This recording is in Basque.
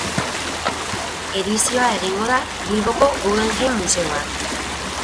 Edizioa egingo da Bilboko Guggenheim museoan.